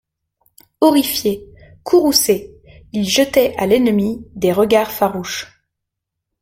Horrifiés, courroucés, ils jetaient à l'ennemi des regards farouches.